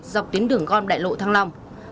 dọc tuyến đường gom đại lộ thăng long